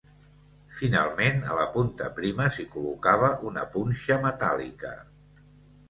Finalment, a la punta prima s'hi col·locava una punxa metàl·lica.